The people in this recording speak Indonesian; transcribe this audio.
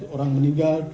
lima belas orang meninggal